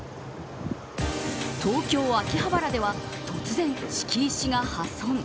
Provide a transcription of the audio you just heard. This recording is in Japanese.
東京・秋葉原では突然、敷石が破損。